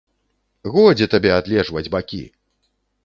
Годзе табе адлежваць бакі!